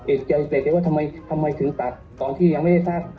เอกใจแต่ว่าทำไมถึงตัดตอนที่ยังไม่ได้สร้าง